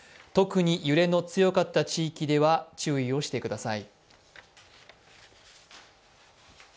特に揺れの強かった地域では注意をしてください。